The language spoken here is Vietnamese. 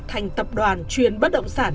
thành tập đoàn chuyên bất động sản